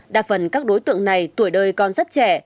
đa phần các đối tượng này tuổi đời còn rất trẻ